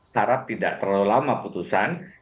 tarap tidak terlalu lama putusan